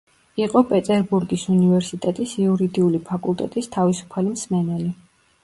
იყო პეტერბურგის უნივერსიტეტის იურიდიული ფაკულტეტის თავისუფალი მსმენელი.